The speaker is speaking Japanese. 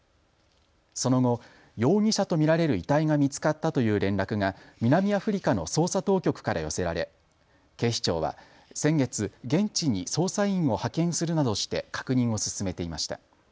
その後、容疑者と見られる遺体が見つかったという連絡が南アフリカの捜査当局から寄せられ警視庁は先月、現地に捜査員を派遣するなどして確認を進めていました。